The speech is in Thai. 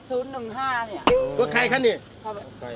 รถใครข้านี้